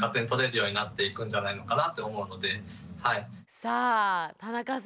さあ田中さん